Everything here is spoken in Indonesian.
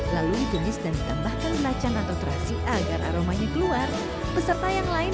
lalu ditulis dan ditambahkan belacan atau terasi agar aroma dikeluar peserta yang lain